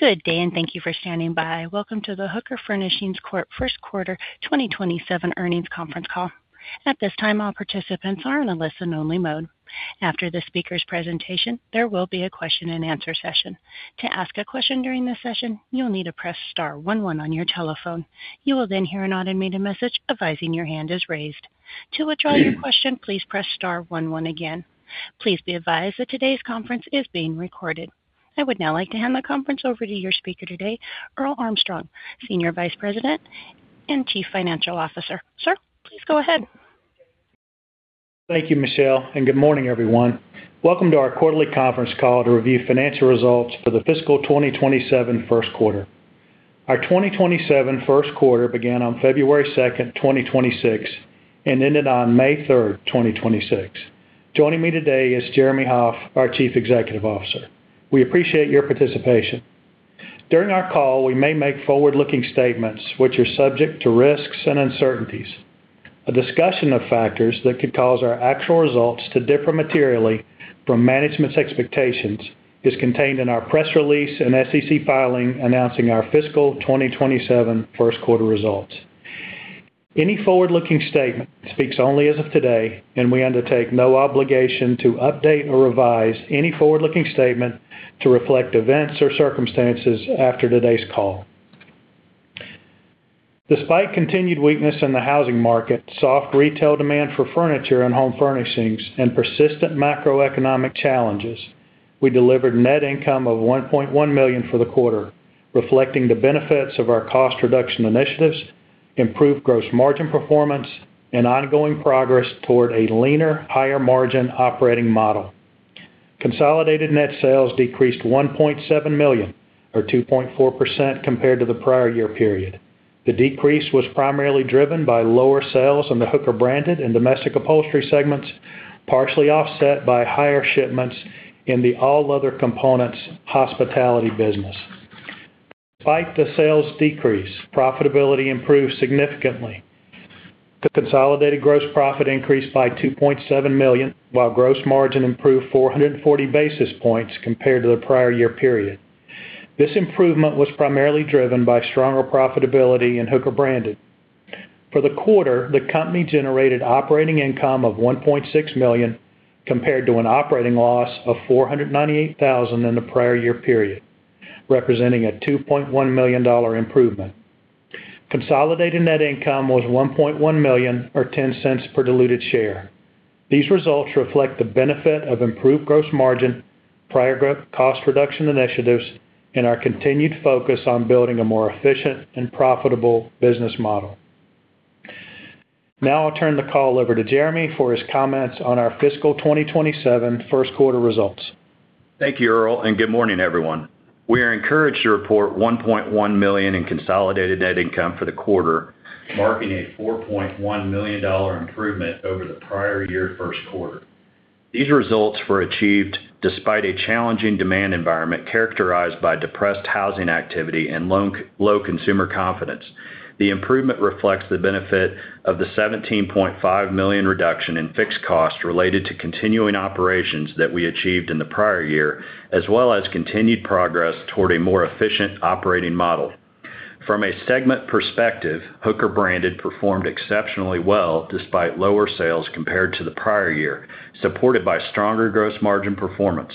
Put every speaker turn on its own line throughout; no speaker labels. Good day and thank you for standing by. Welcome to the Hooker Furnishings first quarter 2027 earnings conference call. At this time, all participants are in a listen only mode. After the speaker's presentation, there will be a question and answer session. To ask a question during the session, you'll need to press star one one on your telephone. You will then hear an automated message advising your hand is raised. To withdraw your question, please press star one one again. Please be advised that today's conference is being recorded. I would now like to hand the conference over to your speaker today, Earl Armstrong, Senior Vice President and Chief Financial Officer. Sir, please go ahead.
Thank you, Michelle. Good morning, everyone. Welcome to our quarterly conference call to review financial results for the fiscal 2027 first quarter. Our 2027 first quarter began on February 2nd, 2026, and ended on May 3rd, 2026. Joining me today is Jeremy Hoff, our Chief Executive Officer. We appreciate your participation. During our call, we may make forward-looking statements which are subject to risks and uncertainties. A discussion of factors that could cause our actual results to differ materially from management's expectations is contained in our press release and SEC filing announcing our fiscal 2027 first quarter results. Any forward-looking statement speaks only as of today. We undertake no obligation to update or revise any forward-looking statement to reflect events or circumstances after today's call. Despite continued weakness in the housing market, soft retail demand for furniture and home furnishings, and persistent macroeconomic challenges, we delivered net income of $1.1 million for the quarter, reflecting the benefits of our cost reduction initiatives, improved gross margin performance, and ongoing progress toward a leaner, higher margin operating model. Consolidated net sales decreased $1.7 million or 2.4% compared to the prior year period. The decrease was primarily driven by lower sales in the Hooker Branded and Domestic Upholstery segments, partially offset by higher shipments in the all other components hospitality business. Despite the sales decrease, profitability improved significantly. The consolidated gross profit increased by $2.7 million, while gross margin improved 440 basis points compared to the prior year period. This improvement was primarily driven by stronger profitability in Hooker Branded. For the quarter, the company generated operating income of $1.6 million, compared to an operating loss of $498,000 in the prior year period, representing a $2.1 million improvement. Consolidated net income was $1.1 million or $0.10 per diluted share. These results reflect the benefit of improved gross margin, prior cost reduction initiatives, and our continued focus on building a more efficient and profitable business model. I'll turn the call over to Jeremy for his comments on our fiscal 2027 first quarter results.
Thank you, Earl, and good morning, everyone. We are encouraged to report $1.1 million in consolidated net income for the quarter, marking a $4.1 million improvement over the prior year first quarter. These results were achieved despite a challenging demand environment characterized by depressed housing activity and low consumer confidence. The improvement reflects the benefit of the $17.5 million reduction in fixed cost related to continuing operations that we achieved in the prior year, as well as continued progress toward a more efficient operating model. From a segment perspective, Hooker Branded performed exceptionally well despite lower sales compared to the prior year, supported by stronger gross margin performance.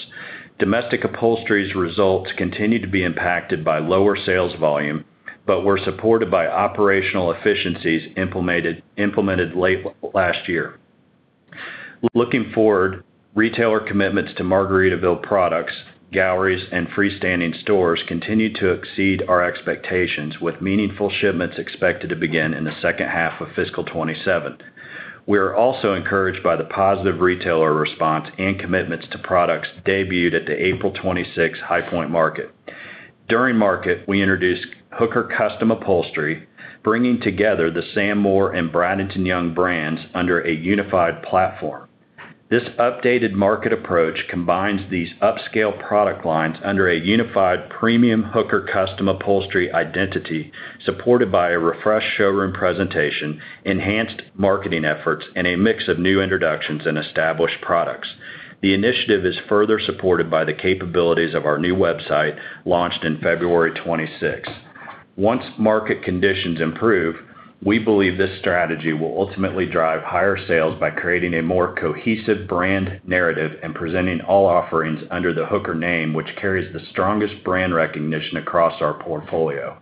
Domestic Upholstery's results continued to be impacted by lower sales volume, but were supported by operational efficiencies implemented late last year. Looking forward, retailer commitments to Margaritaville products, galleries, and freestanding stores continue to exceed our expectations with meaningful shipments expected to begin in the second half of fiscal 2017. We are also encouraged by the positive retailer response and commitments to products debuted at the April 26 High Point Market. During market, we introduced Hooker Custom Upholstery, bringing together the Sam Moore and Bradington-Young brands under a unified platform. This updated market approach combines these upscale product lines under a unified premium Hooker Custom Upholstery identity, supported by a refreshed showroom presentation, enhanced marketing efforts, and a mix of new introductions and established products. The initiative is further supported by the capabilities of our new website launched in February 2016. Once market conditions improve, we believe this strategy will ultimately drive higher sales by creating a more cohesive brand narrative and presenting all offerings under the Hooker name, which carries the strongest brand recognition across our portfolio.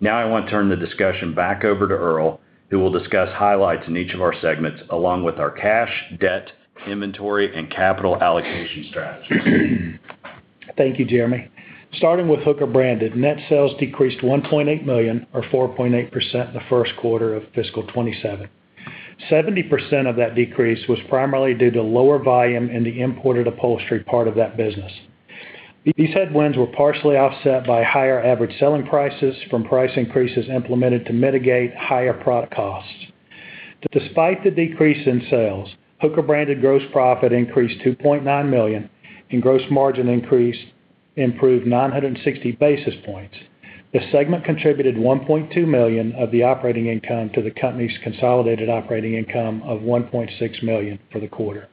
Now I want to turn the discussion back over to Earl, who will discuss highlights in each of our segments, along with our cash, debt, inventory, and capital allocation strategies.
Thank you, Jeremy. Starting with Hooker Branded, net sales decreased $1.8 million or 4.8% in the first quarter of fiscal 2027. 70% of that decrease was primarily due to lower volume in the imported upholstery part of that business. These headwinds were partially offset by higher average selling prices from price increases implemented to mitigate higher product costs. Despite the decrease in sales, Hooker Branded gross profit increased $2.9 million and gross margin improved 960 basis points. The segment contributed $1.2 million of the operating income to the company's consolidated operating income of $1.6 million for the quarter.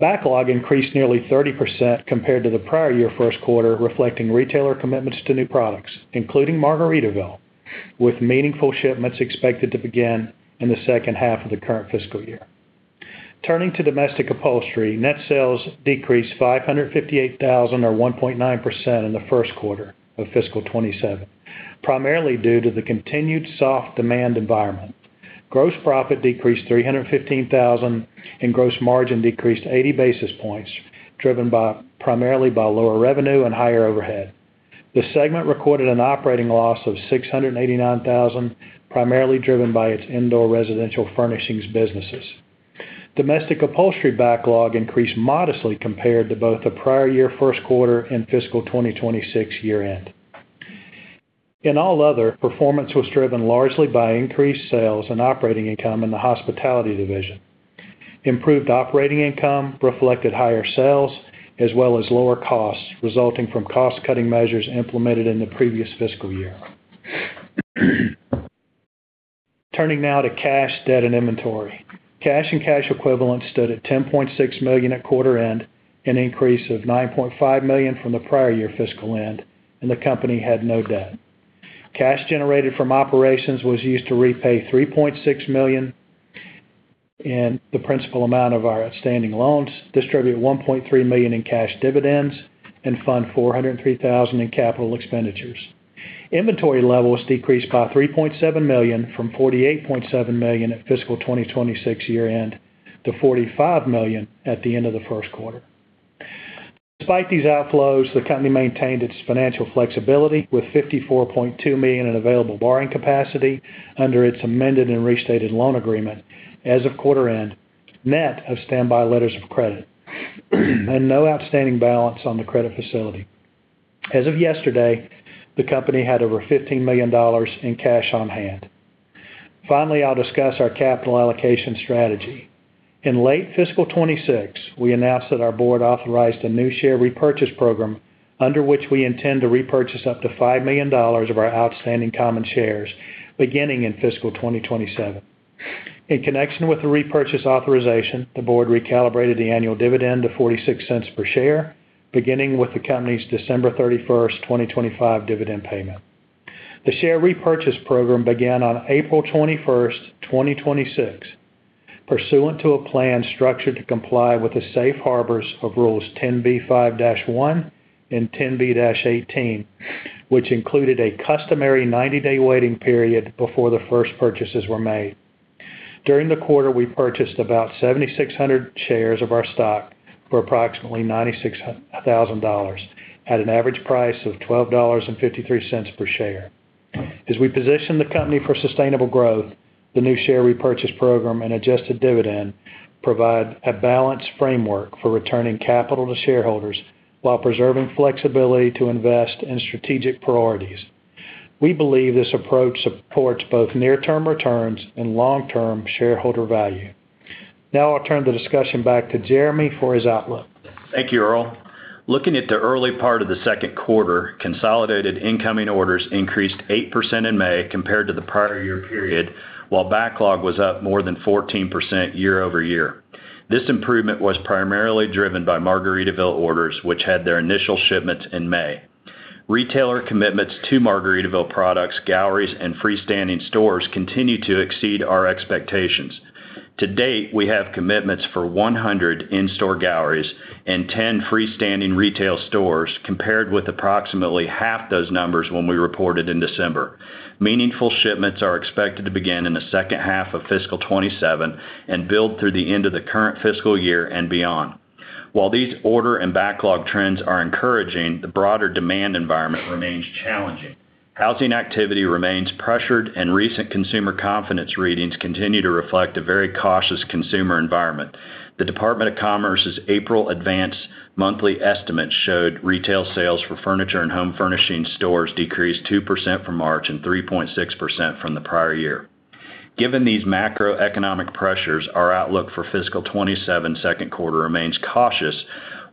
Backlog increased nearly 30% compared to the prior year first quarter, reflecting retailer commitments to new products, including Margaritaville, with meaningful shipments expected to begin in the second half of the current fiscal year. Turning to Domestic Upholstery, net sales decreased $558,000, or 1.9%, in the first quarter of fiscal 2027, primarily due to the continued soft demand environment. Gross profit decreased $315,000, and gross margin decreased 80 basis points, driven primarily by lower revenue and higher overhead. The segment recorded an operating loss of $689,000, primarily driven by its indoor residential furnishings businesses. Domestic Upholstery backlog increased modestly compared to both the prior year first quarter and fiscal 2026 year-end. In all other, performance was driven largely by increased sales and operating income in the hospitality division. Improved operating income reflected higher sales as well as lower costs resulting from cost-cutting measures implemented in the previous fiscal year. Turning now to cash, debt, and inventory. Cash and cash equivalents stood at $10.6 million at quarter-end, an increase of $9.5 million from the prior year fiscal end, and the company had no debt. Cash generated from operations was used to repay $3.6 million in the principal amount of our outstanding loans, distribute $1.3 million in cash dividends, and fund $403,000 in capital expenditures. Inventory levels decreased by $3.7 million from $48.7 million at fiscal 2026 year-end to $45 million at the end of the first quarter. Despite these outflows, the company maintained its financial flexibility with $54.2 million in available borrowing capacity under its amended and restated loan agreement as of quarter-end, net of standby letters of credit and no outstanding balance on the credit facility. As of yesterday, the company had over $15 million in cash on hand. Finally, I'll discuss our capital allocation strategy. In late fiscal 2026, we announced that our board authorized a new share repurchase program under which we intend to repurchase up to $5 million of our outstanding common shares beginning in fiscal 2027. In connection with the repurchase authorization, the board recalibrated the annual dividend to $0.46 per share, beginning with the company's December 31st, 2025, dividend payment. The share repurchase program began on April 21st, 2026, pursuant to a plan structured to comply with the safe harbors of Rules 10b5-1 and 10b-18, which included a customary 90-day waiting period before the first purchases were made. During the quarter, we purchased about 7,600 shares of our stock for approximately $96,000 at an average price of $12.53 per share. As we position the company for sustainable growth, the new share repurchase program and adjusted dividend provide a balanced framework for returning capital to shareholders while preserving flexibility to invest in strategic priorities. We believe this approach supports both near-term returns and long-term shareholder value. Now I'll turn the discussion back to Jeremy for his outlook.
Thank you, Earl. Looking at the early part of the second quarter, consolidated incoming orders increased 8% in May compared to the prior year period, while backlog was up more than 14% year-over-year. This improvement was primarily driven by Margaritaville orders, which had their initial shipments in May. Retailer commitments to Margaritaville products, galleries, and freestanding stores continue to exceed our expectations. To date, we have commitments for 100 in-store galleries and 10 freestanding retail stores, compared with approximately half those numbers when we reported in December. Meaningful shipments are expected to begin in the second half of fiscal 2027 and build through the end of the current fiscal year and beyond. While these order and backlog trends are encouraging, the broader demand environment remains challenging. Housing activity remains pressured and recent consumer confidence readings continue to reflect a very cautious consumer environment. The Department of Commerce's April advance monthly estimates showed retail sales for furniture and home furnishing stores decreased 2% from March and 3.6% from the prior year. Given these macroeconomic pressures, our outlook for fiscal 2027 second quarter remains cautious.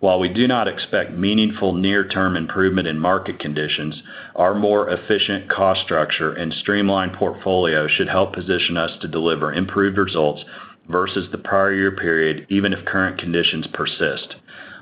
While we do not expect meaningful near-term improvement in market conditions, our more efficient cost structure and streamlined portfolio should help position us to deliver improved results versus the prior year period, even if current conditions persist.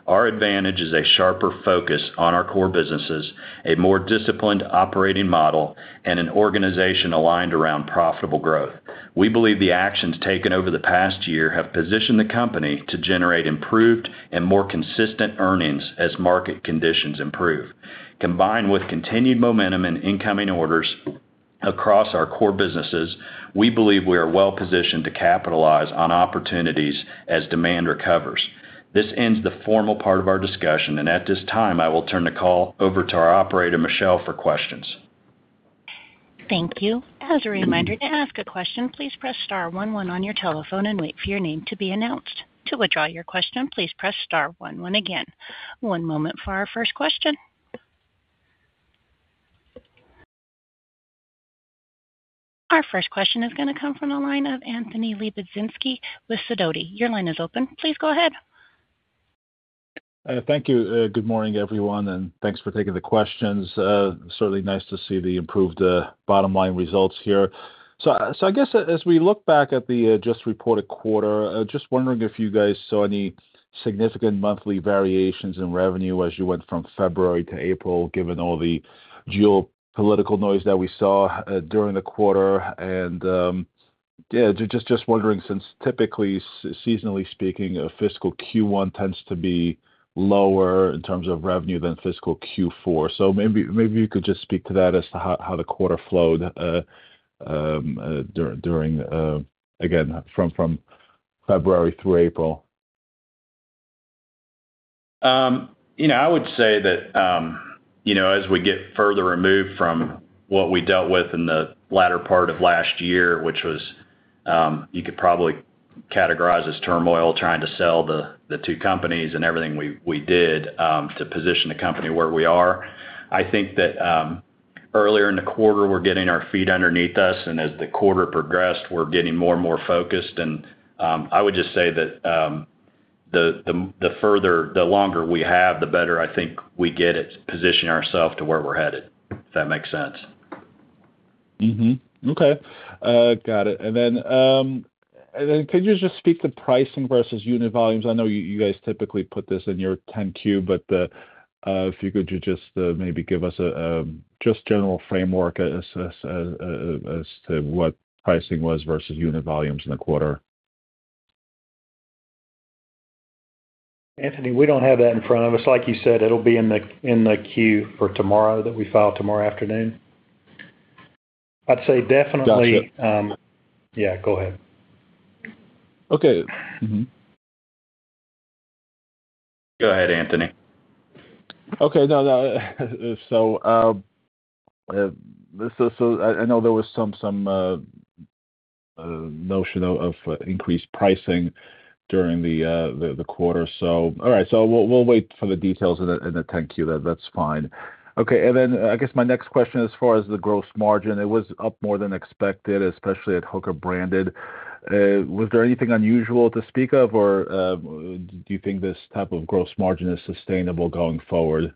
Our advantage is a sharper focus on our core businesses, a more disciplined operating model, and an organization aligned around profitable growth. We believe the actions taken over the past year have positioned the company to generate improved and more consistent earnings as market conditions improve. Combined with continued momentum in incoming orders across our core businesses, we believe we are well positioned to capitalize on opportunities as demand recovers. This ends the formal part of our discussion. At this time, I will turn the call over to our operator, Michelle, for questions.
Thank you. As a reminder, to ask a question, please press star one one on your telephone and wait for your name to be announced. To withdraw your question, please press star one one again. One moment for our first question. Our first question is going to come from the line of Anthony Lebiedzinski with Sidoti. Your line is open. Please go ahead.
Thank you. Good morning, everyone, and thanks for taking the questions. Certainly nice to see the improved bottom line results here. I guess as we look back at the just reported quarter, just wondering if you guys saw any significant monthly variations in revenue as you went from February to April, given all the geopolitical noise that we saw during the quarter. Just wondering, since typically, seasonally speaking, a fiscal Q1 tends to be lower in terms of revenue than fiscal Q4. Maybe you could just speak to that as to how the quarter flowed during, again, from February through April.
I would say that as we get further removed from what we dealt with in the latter part of last year, which was, you could probably categorize as turmoil, trying to sell the two companies and everything we did to position the company where we are. I think that earlier in the quarter, we're getting our feet underneath us, as the quarter progressed, we're getting more and more focused. I would just say that the longer we have, the better I think we get at positioning ourselves to where we're headed. If that makes sense.
Mm-hmm. Okay. Got it. Then could you just speak to pricing versus unit volumes? I know you guys typically put this in your 10-Q, but if you could just maybe give us a just general framework as to what pricing was versus unit volumes in the quarter.
Anthony, we don't have that in front of us. Like you said, it'll be in the Q for tomorrow that we file tomorrow afternoon.
Got you.
Yeah, go ahead.
Okay. Mm-hmm.
Go ahead, Anthony.
Okay. I know there was some notion of increased pricing during the quarter. All right, we'll wait for the details in the 10-Q then. That's fine. Okay, I guess my next question as far as the gross margin, it was up more than expected, especially at Hooker Branded. Was there anything unusual to speak of, or do you think this type of gross margin is sustainable going forward?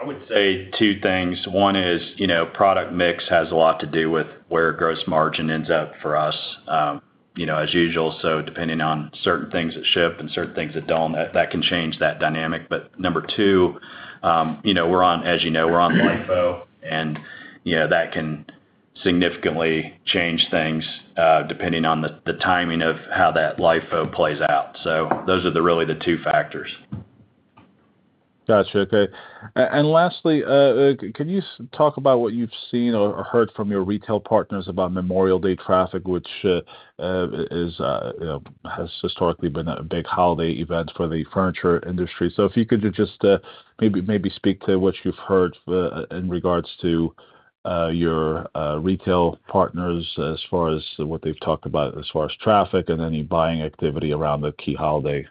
I would say two things. One is, product mix has a lot to do with where gross margin ends up for us, as usual, so depending on certain things that ship and certain things that don't, that can change that dynamic. Number two, as you know, we're on LIFO and that can significantly change things, depending on the timing of how that LIFO plays out. Those are really the two factors.
Got you. Okay. Lastly, can you talk about what you've seen or heard from your retail partners about Memorial Day traffic, which has historically been a big holiday event for the furniture industry. If you could just maybe speak to what you've heard in regards to your retail partners as far as what they've talked about as far as traffic and any buying activity around the key holiday.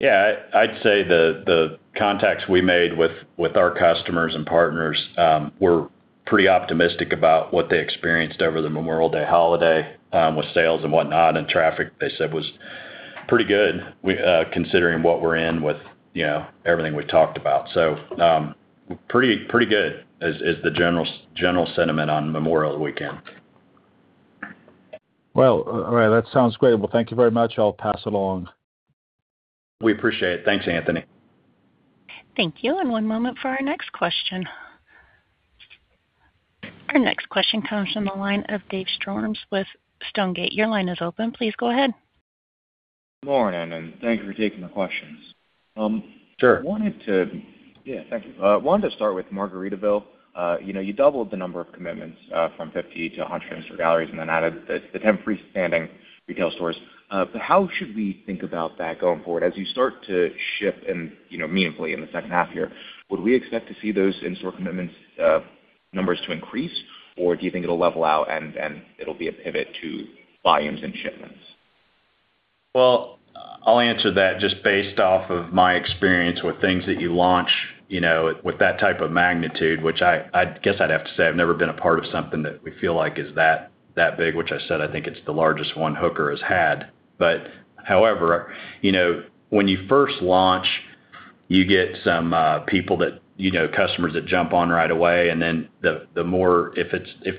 Yeah. I'd say the contacts we made with our customers and partners were pretty optimistic about what they experienced over the Memorial Day holiday, with sales and whatnot. Traffic, they said, was pretty good considering what we're in with everything we've talked about. Pretty good is the general sentiment on Memorial Weekend.
Well, all right. That sounds great. Well, thank you very much. I'll pass it along.
We appreciate it. Thanks, Anthony.
Thank you. One moment for our next question. Our next question comes from the line of Dave Storms with Stonegate. Your line is open. Please go ahead.
Good morning. Thank you for taking the questions.
Sure.
Yeah. Thank you. Wanted to start with Margaritaville. You doubled the number of commitments from 50-100 in-store galleries and then added the 10 freestanding retail stores. How should we think about that going forward? As you start to ship meaningfully in the second half here, would we expect to see those in-store commitments numbers to increase, or do you think it'll level out and it'll be a pivot to volumes and shipments?
I'll answer that just based off of my experience with things that you launch with that type of magnitude, which I guess I'd have to say I've never been a part of something that we feel like is that big, which I said I think it's the largest one Hooker has had. However, when you first launch, you get some customers that jump on right away, and then if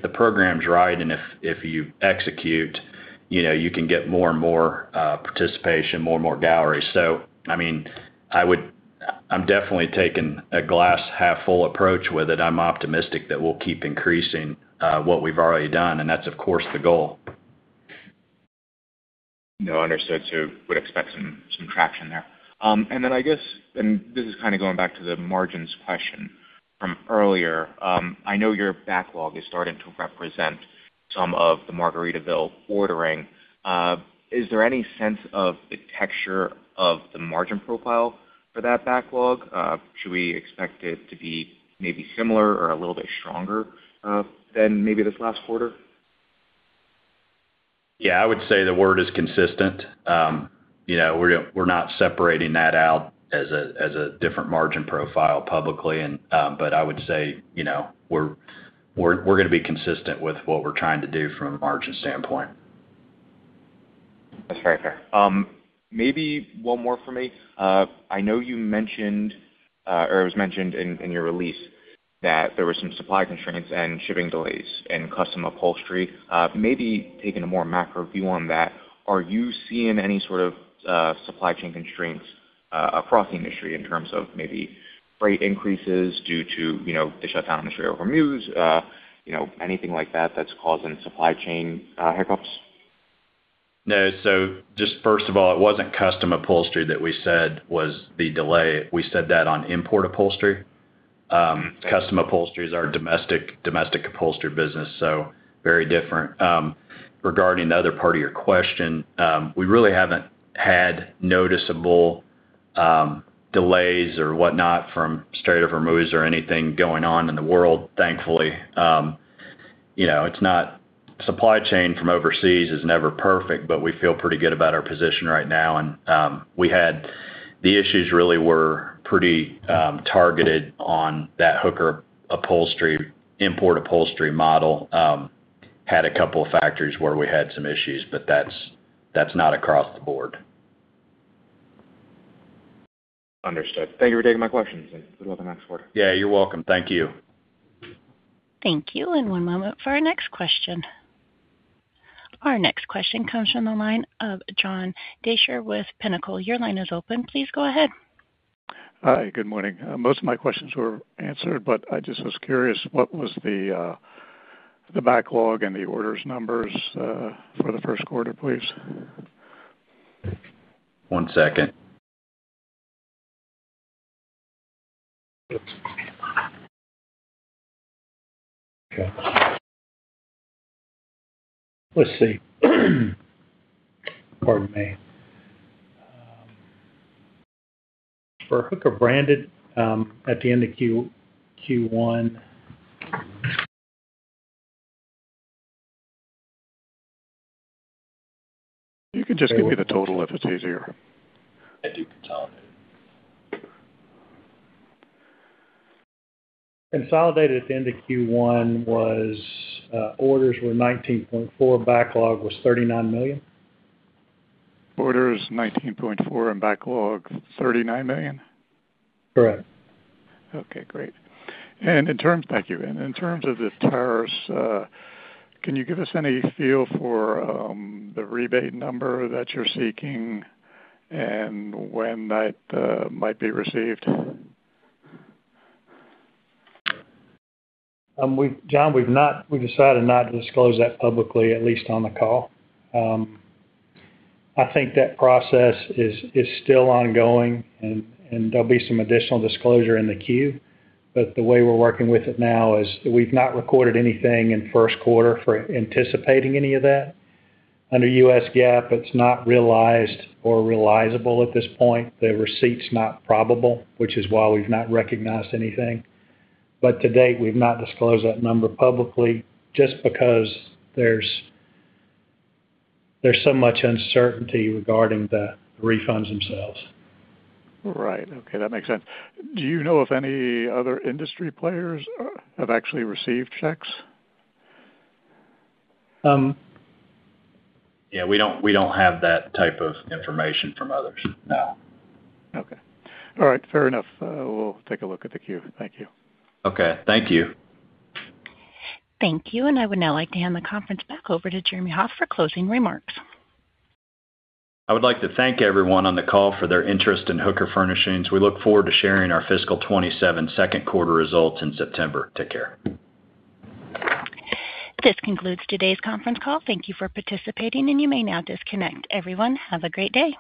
the program's right and if you execute, you can get more and more participation, more and more galleries. I'm definitely taking a glass-half-full approach with it. I'm optimistic that we'll keep increasing what we've already done, and that's, of course, the goal.
Understood. Would expect some traction there. I guess, and this is kind of going back to the margins question from earlier. I know your backlog is starting to represent some of the Margaritaville ordering. Is there any sense of the texture of the margin profile for that backlog? Should we expect it to be maybe similar or a little bit stronger than maybe this last quarter?
I would say the word is consistent. We're not separating that out as a different margin profile publicly. I would say we're going to be consistent with what we're trying to do from a margin standpoint.
That's very fair. Maybe one more from me. I know you mentioned, or it was mentioned in your release that there were some supply constraints and shipping delays in custom upholstery. Maybe taking a more macro view on that, are you seeing any sort of supply chain constraints across the industry in terms of maybe freight increases due to the shutdown in the Strait of Hormuz? Anything like that that's causing supply chain hiccups?
Just first of all, it wasn't custom upholstery that we said was the delay. We said that on import upholstery. Custom upholstery is our Domestic Upholstery business, very different. Regarding the other part of your question, we really haven't had noticeable delays or whatnot from Strait of Hormuz or anything going on in the world, thankfully. Supply chain from overseas is never perfect, but we feel pretty good about our position right now. The issues really were pretty targeted on that Hooker import upholstery model. Had a couple of factories where we had some issues, but that's not across the board.
Understood. Thank you for taking my questions, and good luck in the next quarter.
Yeah, you're welcome. Thank you.
Thank you. One moment for our next question. Our next question comes from the line of John Deysher with Pinnacle. Your line is open. Please go ahead.
Hi, good morning. Most of my questions were answered, but I just was curious, what was the backlog and the orders numbers for the first quarter, please?
One second.
Let's see. Pardon me. For Hooker Branded, at the end of Q1
You can just give me the total if it's easier.
I do consolidated.
Consolidated at the end of Q1, orders were $19.4 million, backlog was $39 million.
Orders $19.4 million and backlog $39 million?
Correct.
Okay, great. Thank you. In terms of the tariffs, can you give us any feel for the rebate number that you're seeking and when that might be received?
John, we've decided not to disclose that publicly, at least on the call. I think that process is still ongoing, and there'll be some additional disclosure in the 10-Q. The way we're working with it now is we've not recorded anything in first quarter for anticipating any of that. Under U.S. GAAP, it's not realized or realizable at this point. The receipt's not probable, which is why we've not recognized anything. To date, we've not disclosed that number publicly just because there's so much uncertainty regarding the refunds themselves.
Right. Okay, that makes sense. Do you know if any other industry players have actually received checks?
Yeah, we don't have that type of information from others, no.
Okay. All right, fair enough. We'll take a look at the 10-Q. Thank you.
Okay, thank you.
Thank you. I would now like to hand the conference back over to Jeremy Hoff for closing remarks.
I would like to thank everyone on the call for their interest in Hooker Furnishings. We look forward to sharing our fiscal 2027 second quarter results in September. Take care.
This concludes today's conference call. Thank you for participating, and you may now disconnect. Everyone, have a great day.